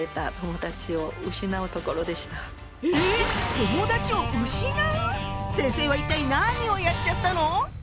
友だちを失う⁉先生は一体何をやっちゃったの？